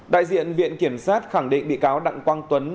đại diện viện kiểm sát khẳng định bị cáo đặng quang tuấn